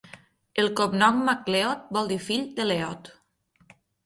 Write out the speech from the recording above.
El cognom MacLeod vol dir 'fill de Leod'.